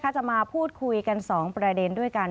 จะมาพูดคุยกัน๒ประเด็นด้วยกัน